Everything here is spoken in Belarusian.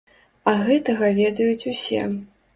А гэтага ведаюць усе.